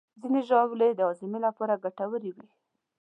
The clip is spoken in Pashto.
ځینې ژاولې د هاضمې لپاره ګټورې وي.